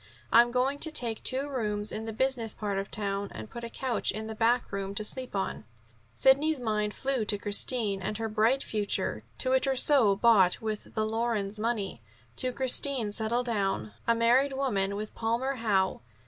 I'm going to take two rooms in the business part of town, and put a couch in the backroom to sleep on." Sidney's mind flew to Christine and her bright future, to a trousseau bought with the Lorenz money, to Christine settled down, a married woman, with Palmer Howe.